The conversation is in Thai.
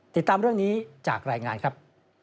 ติดตามเรื่องนี้จากรายงานครับ